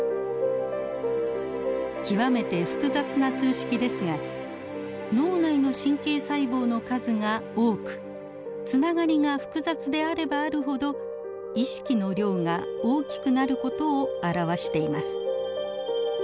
極めて複雑な数式ですが脳内の神経細胞の数が多くつながりが複雑であればあるほど意識の量が大きくなる事を表しています。